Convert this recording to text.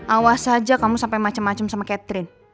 awas aja kamu sampai macem macem sama catherine